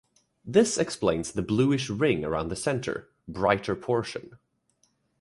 This explains the bluish ring around the center, brighter portion.